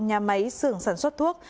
công đã sử dụng nhà máy xưởng sản xuất thuốc